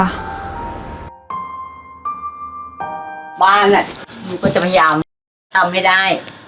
บ้านยูก็จะพยายามทำให้ได้